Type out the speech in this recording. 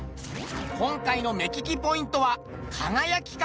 今回の目利きポイントは輝き方。